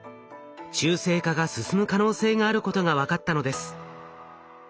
中性化が進む可能性があることが分かったのです。